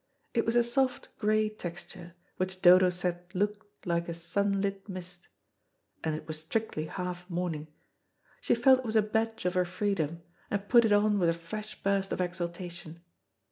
It was a soft grey texture, which Dodo said looked like a sunlit mist, and it was strictly half mourning. She felt it was a badge of her freedom, and put it on with a fresh burst of exultation.